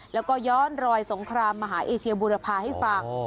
แล้วก็ย้อนรอยสงครามมหาเอเชียบุรพาให้ฟัง